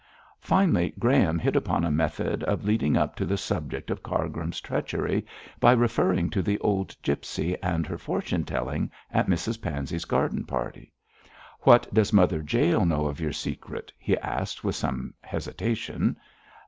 Finally Graham hit upon a method of leading up to the subject of Cargrim's treachery, by referring to the old gipsy and her fortune telling at Mrs Pansey's garden party. 'What does Mother Jael know of your secret?' he asked with some hesitation.